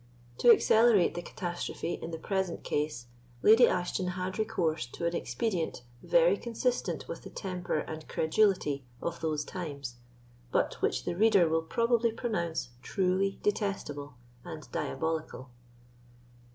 To accelerate the catastrophe in the present case, Lady Ashton had recourse to an expedient very consistent with the temper and credulity of those times, but which the reader will probably pronounce truly detestable and diabolical.